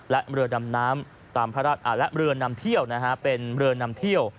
และเรือนนำเที่ยวเป็นเรือนนำเที่ยว